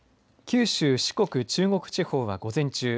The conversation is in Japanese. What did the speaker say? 九州、四国、中国地方は午前中